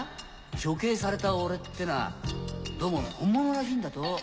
処刑された俺ってのはどうも本物らしいんだと。